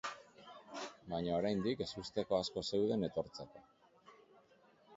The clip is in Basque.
Baina oraindik ezusteko asko zeuden etortzeko.